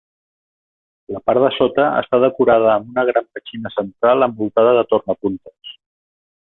La part de sota està decorada amb una gran petxina central envoltada de tornapuntes.